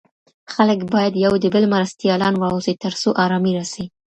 خلګ بايد يو د بل مرستيالان واوسي تر څو ارامي راسي.